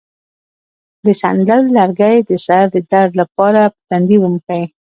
د سندل لرګی د سر د درد لپاره په تندي ومښئ